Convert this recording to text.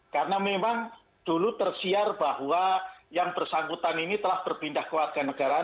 karena memang dulu tersiar bahwa yang bersangkutan ini telah berpindah ke warganegaraan